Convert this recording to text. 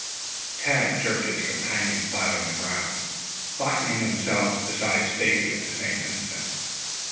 Tad jerked his companion flat on the ground, flattening himself beside Stacy at the same instant.